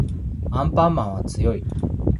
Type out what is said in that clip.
アンパンマンは強い